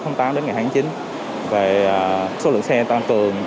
về số lượng xe tăng cường thì bến xe sẽ phối hợp với các đơn vị